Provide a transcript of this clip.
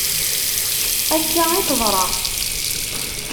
Akka i teḍra.